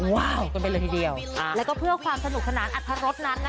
ว้าวกันไปเลยทีเดียวแล้วก็เพื่อความสนุกสนานอัตรสนั้นนะคะ